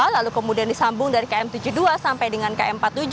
lalu kemudian disambung dari km tujuh puluh dua sampai dengan km empat puluh tujuh